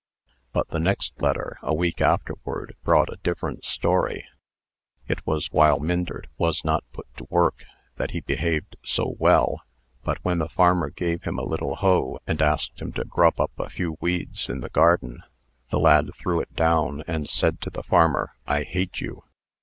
But the next letter, a week afterward, brought a different story. It was while Myndert was not put to work, that he behaved so well. But when the farmer gave him a little hoe, and asked him to grub up a few weeds in the garden, the lad threw it down, and said to the farmer, 'I hate you.'